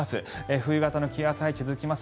冬型の気圧配置続きます。